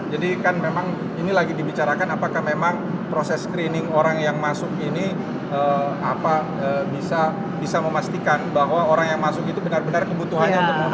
jadi kan memang ini lagi dibicarakan apakah memang proses screening orang yang masuk ini bisa memastikan bahwa orang yang masuk itu benar benar kebutuhannya untuk menggunakan mrt